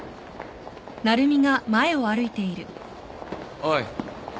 おい。